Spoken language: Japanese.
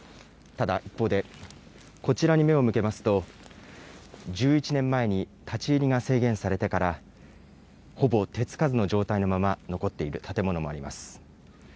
ただ一方で、こちらに目を向けますと、１１年前に立ち入りが制限されてから、ほぼ手付かずの状態のまま残っている建物もあります。